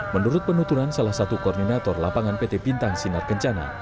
menurut penuturan salah satu koordinator lapangan pt bintang sinar kencana